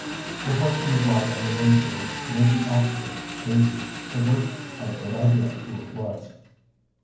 Reflection of light on the windshield made the occupant hazy, but Rick had a good idea who it was.